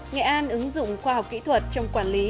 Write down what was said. nghệ an ứng dụng khoa học kỹ thuật trong quản lý